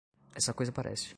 Essa coisa parece